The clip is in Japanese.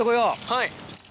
はい。